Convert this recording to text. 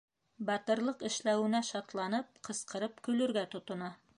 Батырлыҡ эшләүенә шатланып, ҡысҡырып көлөргә тотона.